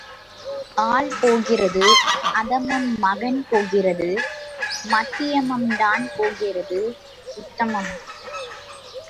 ஆள் போகிறது அதமம் மகன் போகிறது மத்தியமம் தான் போகிறது உத்தமம்.